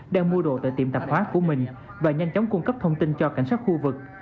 đang mua đồ tại tiệm tạp hóa của mình và nhanh chóng cung cấp thông tin cho cảnh sát khu vực